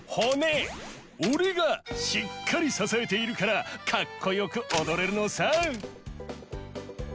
オレがしっかりささえているからかっこよくおどれるのさ！